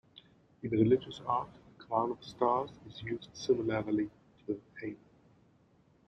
In religious art, a crown of stars is used similarly to a halo.